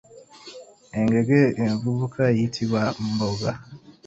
Engege envubuka eyitibwa mbogga.